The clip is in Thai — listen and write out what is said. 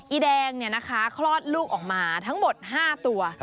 อิแดงเนี่ยนะคะคลอดลูกออกมาทั้งหมด๕ตัว